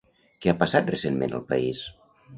Què ha passat recentment al país?